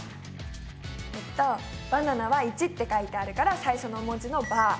えっとバナナは①って書いてあるから最初の文字の「バ」。